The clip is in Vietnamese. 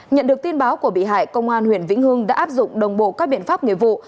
nhận được tin báo của bị hại công an huyện vĩnh hương đã áp dụng đồng bộ các biện pháp nghiệp vụ